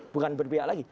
bukan berpihak lagi